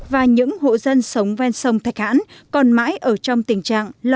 và những hộ dân sống ven sông thạch hán còn mãi ở trong tình trạng lo sợ mỗi khi lũ về